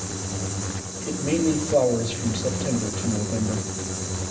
It mainly flowers from September to November.